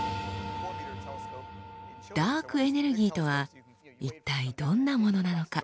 ダークエネルギーとは一体どんなものなのか。